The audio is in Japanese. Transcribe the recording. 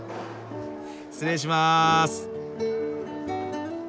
失礼します。